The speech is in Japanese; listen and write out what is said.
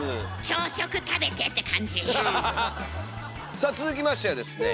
さあ続きましてはですね